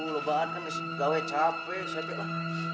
lo banget kan gaulnya capek